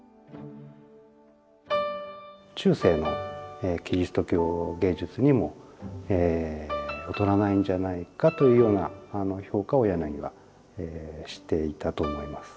中世のキリスト教芸術にも劣らないんじゃないかというような評価を柳はしていたと思います。